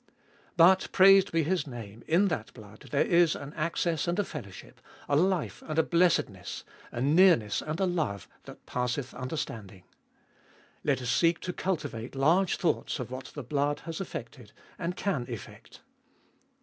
But, praised be His name, in that blood there is an access and a fellowship, a life and a blessedness, a nearness and a love, that passeth understanding ! Let us seek to cultivate large thoughts of what the blood has effected and can effect.